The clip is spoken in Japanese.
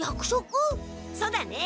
そうだね。